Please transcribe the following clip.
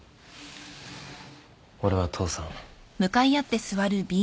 俺は父さん。